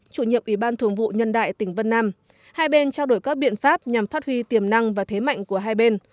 chủ nhiệm ủy ban thường vụ nhân đại tỉnh vân nam hai bên trao đổi các biện pháp nhằm phát huy tiềm năng và thế mạnh của hai bên